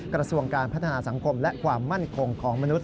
กระทรวงการพัฒนาสังคมและความมั่นคงของมนุษ